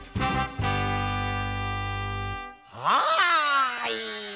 はい！